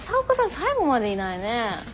最後までいないね。